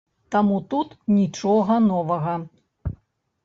Таму тут нічога новага.